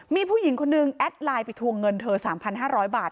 มีผู้หญิงคนนึงแอดไลน์ไปทวงเงินเธอ๓๕๐๐บาท